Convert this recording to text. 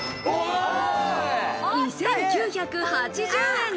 ２９８０円。